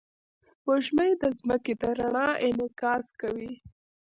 سپوږمۍ د ځمکې د رڼا انعکاس کوي